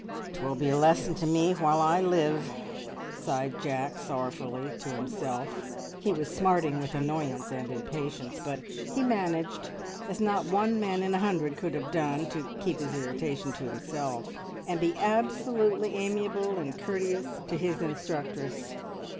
"'Twill be a lesson to me while I live!" sighed Jack sorrowfully to himself. He was smarting with annoyance and impatience, but he managed, as not one man in a hundred could have done, to keep his irritation to himself, and be absolutely amiable and courteous to his instructress.